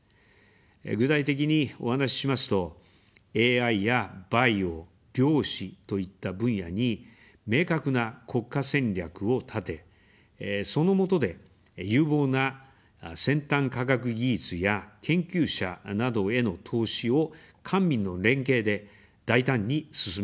具体的にお話ししますと、ＡＩやバイオ、量子といった分野に明確な国家戦略を立て、そのもとで、有望な先端科学技術や研究者などへの投資を官民の連携で大胆に進めます。